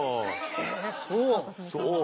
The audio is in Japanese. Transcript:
へえそう。